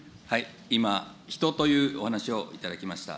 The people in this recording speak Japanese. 今、人というお話をいただきました。